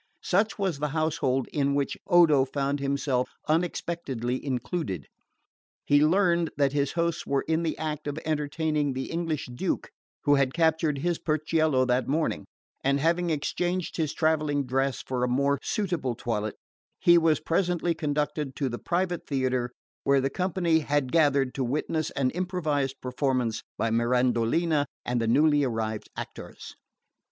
Such was the household in which Odo found himself unexpectedly included. He learned that his hosts were in the act of entertaining the English Duke who had captured his burchiello that morning; and having exchanged his travelling dress for a more suitable toilet he was presently conducted to the private theatre where the company had gathered to witness an improvised performance by Mirandolina and the newly arrived actors.